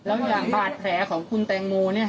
แล้วอย่างบาดแผลของคุณแตงโม